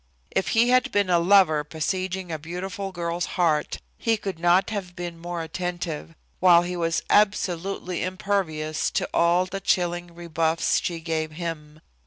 If he had been a lover besieging a beautiful girl's heart he could not have been more attentive, while he was absolutely impervious to all the chilling rebuffs she gave him.